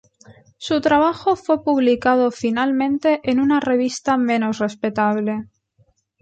Su trabajo fue publicado finalmente en una revista menos respetable.